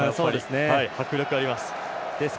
迫力あります。